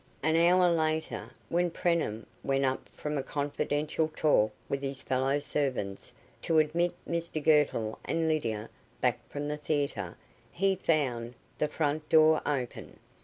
An hour later, when Preenham went up from a confidential talk with his fellow servants to admit Mr Girtle and Lydia back from the theatre he found the front door open.